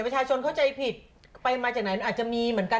เข้าใจผิดไปมาจากไหนอาจจะมีเหมือนกัน